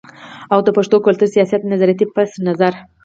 او د پښتون کلتور، سياست، نظرياتي پس منظر